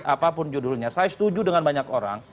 apapun judulnya saya setuju dengan banyak orang